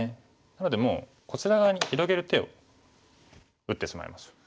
なのでもうこちら側に広げる手を打ってしまいましょう。